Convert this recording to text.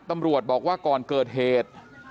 ตำรวจบอกว่าก่อนเกิดเหตุ